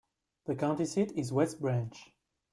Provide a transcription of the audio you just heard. The county seat is West Branch.